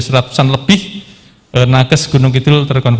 seratusan lebih nakes gunung kidul